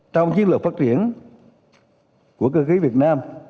trong chiến lược phát triển của cơ khí việt nam